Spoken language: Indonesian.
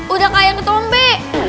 udah kayak ketombe